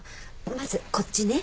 まずこっちね。